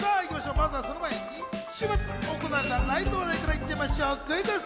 まずはその前に週末行われたライブの話題から行っちゃいましょう、クイズッス！